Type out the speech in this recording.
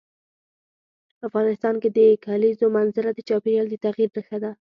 افغانستان کې د کلیزو منظره د چاپېریال د تغیر نښه ده.